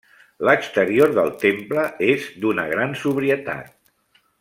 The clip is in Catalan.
L'exterior del temple és d'una gran sobrietat.